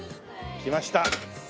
来ました。